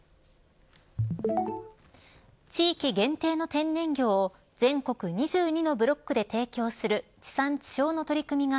地域限定の天然魚を全国２２のブロックで提供する地産地消の取り組みが